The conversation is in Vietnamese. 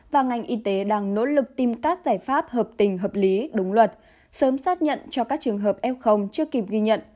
và ngành y tế đang nỗ lực tìm các giải pháp hợp tình hợp lý đúng luật sớm xác nhận cho các trường hợp f chưa kịp ghi nhận